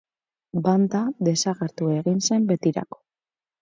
Banda desagertu egin zen betirako.